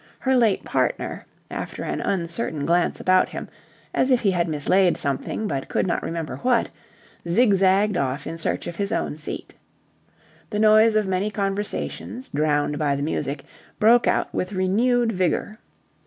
Her late partner, after an uncertain glance about him, as if he had mislaid something but could not remember what, zigzagged off in search of his own seat. The noise of many conversations, drowned by the music, broke out with renewed vigour.